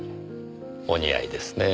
お似合いですねぇ。